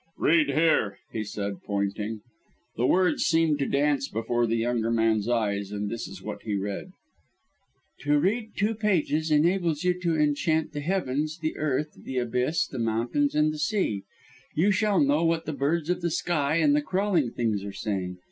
"Read there!" he said, pointing. The words seemed to dance before the younger man's eyes, and this is what he read: "To read two pages, enables you to enchant the heavens, the earth, the abyss, the mountains, and the sea; you shall know what the birds of the sky and the crawling things are saying